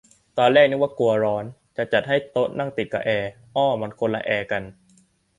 ตอนแรกก็นึกว่ากลัวร้อน จะให้จัดโต๊ะนั่งติดกะแอร์ อ้อ มันคนละแอร์กัน